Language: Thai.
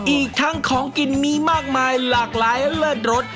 อีกทั้งของกินมีมากมายหลากหลายเลิศรส